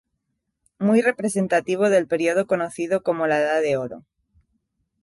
Muy representativo del período conocido como "la edad de oro".